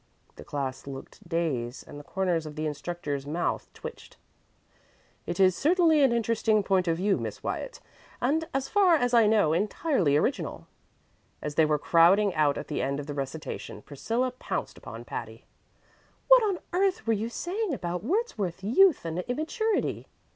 The class looked dazed, and the corners of the instructor's mouth twitched. "It is certainly an interesting point of view, Miss Wyatt, and, as far as I know, entirely original." As they were crowding out at the end of the recitation Priscilla pounced upon Patty. "What on earth were you saying about Wordsworth's youth and immaturity?"